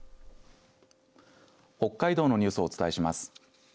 北海道のニュースをお伝えします。